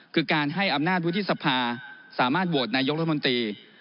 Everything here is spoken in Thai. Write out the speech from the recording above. คือการให้อำนาจวุฒิสภาสามารถโหวตนายกรัฐมนตรี